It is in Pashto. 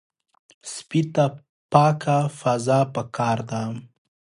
سپي ته پاکه فضا پکار ده.